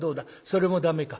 それも駄目か。